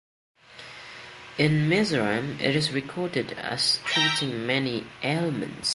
In Mizoram it is recorded as treating many ailments.